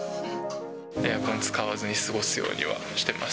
エアコン使わずに過ごすようにはしてます。